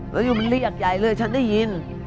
อยู่มันเรียกใหญ่เลยฉันได้ยิน